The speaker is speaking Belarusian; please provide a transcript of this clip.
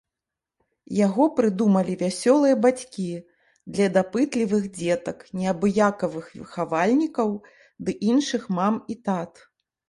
Яго прыдумалі вясёлыя бацькі для дапытлівых дзетак, неабыякавых выхавальнікаў ды іншых мам і тат!